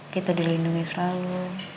kita dilindungi selalu